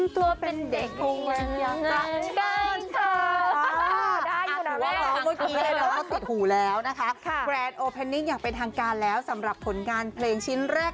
แต่เจอตัวหน้าต้องแค้นแต่ไม่อยากให้ไปไหนเลย